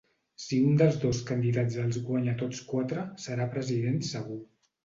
Si un dels dos candidats els guanya tots quatre serà president segur.